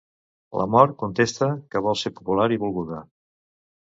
La mort contesta que vol ser popular i "volguda".